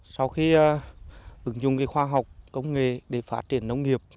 sau khi ứng dụng khoa học công nghệ để phát triển nông nghiệp